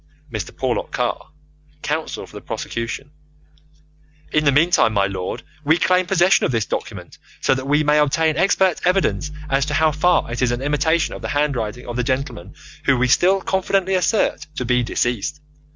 Mr. Porlock Carr (counsel for the prosecution): In the meantime, my lord, we claim possession of this document, so that we may obtain expert evidence as to how far it is an imitation of the handwriting of the gentleman whom we still confidently assert to be deceased.